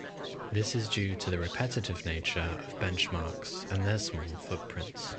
This is due to the repetitive nature of benchmarks and their small footprints.